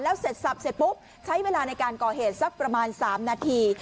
เสร็จสับเสร็จปุ๊บใช้เวลาในการก่อเหตุสักประมาณ๓นาที